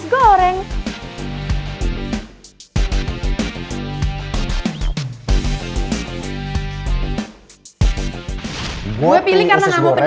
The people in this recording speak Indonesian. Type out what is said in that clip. gue pilih karena telurnya double